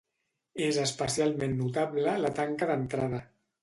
És especialment notable la tanca d'entrada.